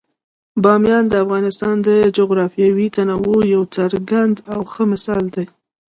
بامیان د افغانستان د جغرافیوي تنوع یو څرګند او ښه مثال دی.